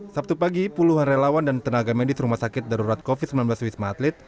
sabtu pagi puluhan relawan dan tenaga medis rumah sakit darurat covid sembilan belas wisma atlet